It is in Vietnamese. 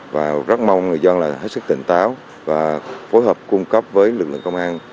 và rất mong người dân là hết sức tỉnh táo và phối hợp cung cấp với lực lượng công an